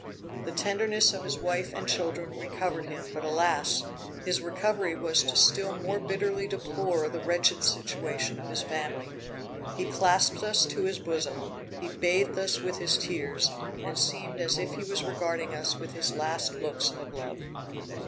The tenderness of his wife and children recovered him; but alas! his recovery was to still more bitterly deplore the wretched situation of his family. He clasped us to his bosom; he bathed us with his tears, and seemed as if he was regarding us with his last looks of love.